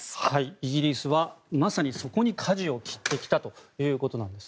イギリスはまさにそこにかじを切ってきたということです。